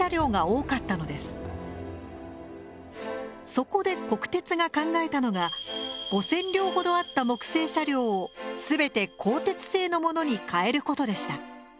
そこで国鉄が考えたのが５，０００両ほどあった木製車両を全て鋼鉄製のものにかえることでした。